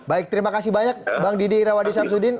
baik terima kasih banyak bang didi irawadi samsudin